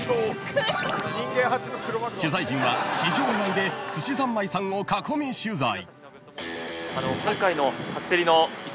［取材陣は市場外ですしざんまいさんを囲み取材］